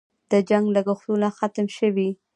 د جنګ لګښتونه ختم شوي؟